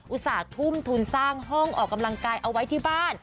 ทุ่มทุนสร้างห้องออกกำลังกายเอาไว้ที่บ้าน